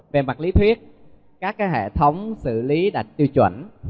về mặt lý thuyết các hệ thống xử lý đạt tiêu chuẩn